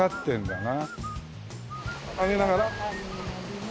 あげながら？